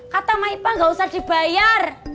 kata mak ipah gak usah dibayar